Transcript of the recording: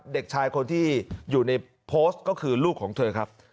เด็กชายคนที่อยู่ในโพสต์ก็คือลูกของเธอครับ